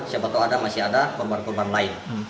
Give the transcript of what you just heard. siapa tahu ada masih ada korban korban lain